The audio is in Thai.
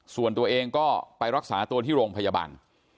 ส่วนตัวเองก็ไปรักษาตัวที่โรงพยาบาล